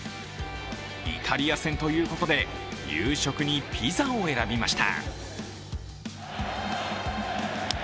イタリア戦ということで、夕食にピザを選びました。